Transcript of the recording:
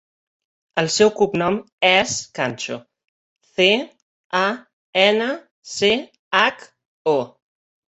El seu cognom és Cancho: ce, a, ena, ce, hac, o.